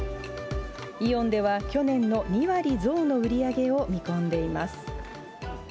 イオンでは、去年の２割増の売り上げを見込んでいます。